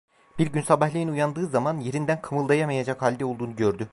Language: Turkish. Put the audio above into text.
Bir gün sabahleyin uyandığı zaman, yerinden kımıldayamayacak halde olduğunu gördü.